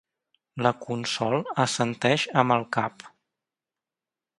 La Consol assenteix amb el cap.